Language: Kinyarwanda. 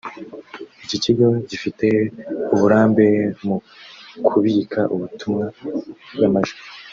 Iki kigo gifite uburambe mu kubika ubutumwa bw’amajwi